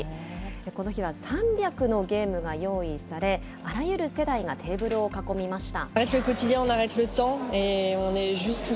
この日は３００のゲームが用意され、あらゆる世代がテーブルを囲みました。